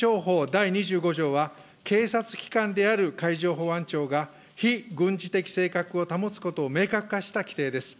第２５条は、警察機関である海上保安庁が非軍事的政策を保つことを明確化した規定です。